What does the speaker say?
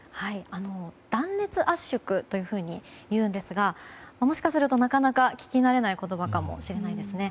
断熱圧縮というんですがもしかするとなかなか聞き慣れない言葉かもしれませんね。